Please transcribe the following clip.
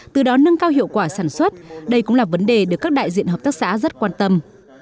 từ đó nâng cao hiệu quả sản xuất đây cũng là vấn đề được các đại diện hợp tác xã rất quan tâm